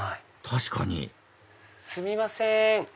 確かにすみません。